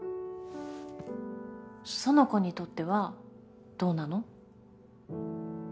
苑子にとってはどうなの？